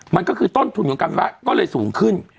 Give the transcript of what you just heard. มันก็คือต้นทุนของการไฟฟ้าก็เลยสูงขึ้น